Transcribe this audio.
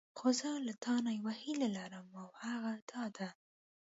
خو زه له تانه یوه هیله لرم او هغه دا ده.